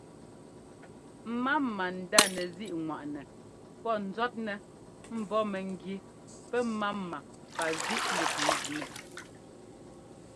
Máma ndá nɛzíꞌŋwaꞌnɛ pɔ́ ńzɔ́tnɛ mbɔ̌ mɛgí pɛ́máma pazíꞌlíkŋwaꞌnɛ.